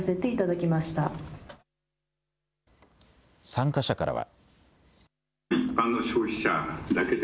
参加者からは。